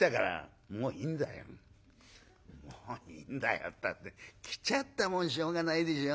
「『もういいんだよ』ったって来ちゃったもんしょうがないでしょ？